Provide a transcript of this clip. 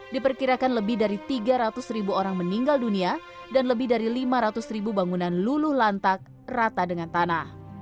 diperkirakan lebih dari tiga ratus ribu orang meninggal dunia dan lebih dari lima ratus ribu bangunan luluh lantak rata dengan tanah